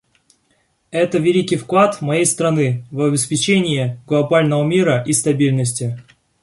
Это великий вклад моей страны в обеспечение глобального мира и стабильности.